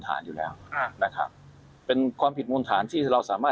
ที่มีที่มาของการเงินรายด้านที่เข้ามา